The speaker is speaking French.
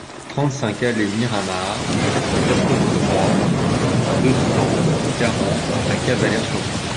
trente-cinq allée Miramar, quatre-vingt-trois, deux cent quarante à Cavalaire-sur-Mer